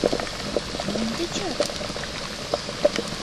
Мом тӧчат?